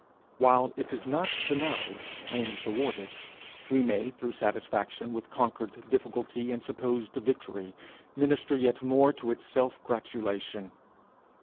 While it is not denied, only thwarted, we may through satisfaction with conquered difficulty and supposed victory, minister yet more to its self gratulation.